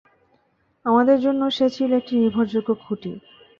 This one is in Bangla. আমাদের জন্য সে ছিল একটা নির্ভরযোগ্য খুঁটি।